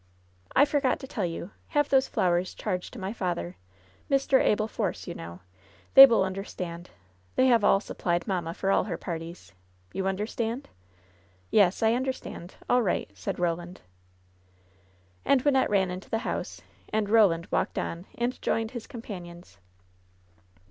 "I forgot to tell you. Have those flowers charged to my father. Mr^ Abel Force, you know. They will understand. They have all supplied mamma for all her parties. Tou understand ?" "Yes, I understand. All right," said Roland. And Wynnette ran into the house, and Roland walked on and joined his companions.